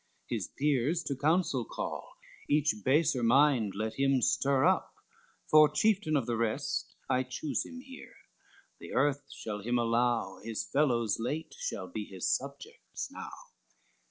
His peers to counsel call, each baser mind Let him stir up; for, chieftain of the rest I choose him here, the earth shall him allow, His fellows late shall be his subjects now."